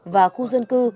và khu dân cư